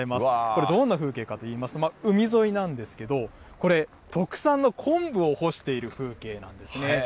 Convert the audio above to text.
これどんな風景かといいますと、海沿いなんですけど、これ、特産の昆布を干している風景なんですね。